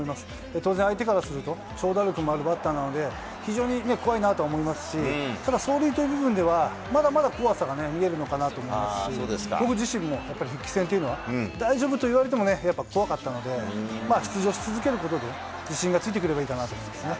当然相手からすると、長打力もあるバッターなので、非常に怖いなと思いますし、ただ、走塁という部分では、まだまだ怖さが見えるのかなと思いますし、僕自身も、やっぱり復帰戦というのは、大丈夫と言われてもね、やっぱ怖かったので、出場し続けることで、自信がついてくればいいかなと思いますね。